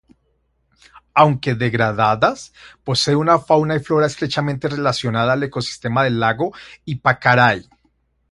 Aunque degradadas, posee una fauna y flora estrechamente relacionada al ecosistema del lago Ypacaraí.